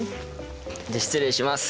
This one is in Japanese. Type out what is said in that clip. じゃあ失礼します。